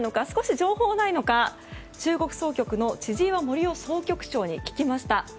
少し情報がないのか中国総局の千々岩森生総局長に聞きました。